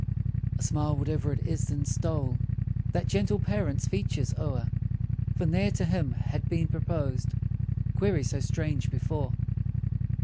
A smile, whate'er it is, then stole That gentle parent's features o'er; For ne'er to him had been proposed Query so strange before.